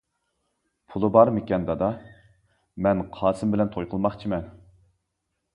پۇلى بارمىكەن-دادا، مەن قاسىم بىلەن توي قىلماقچىمەن.